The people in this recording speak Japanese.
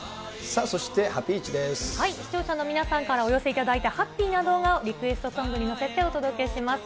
さあそし視聴者の皆さんからお寄せいただいた、ハッピーな動画をリクエストソングに乗せてお届けします。